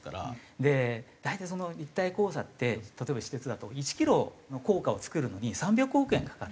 で大体立体交差って例えば私鉄だと１キロの高架を造るのに３００億円かかる。